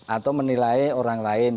atau menilai orang lain